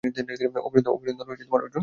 অভিনন্দন, অর্জুন!